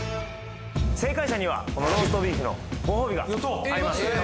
正解者にはこのローストビーフのご褒美があります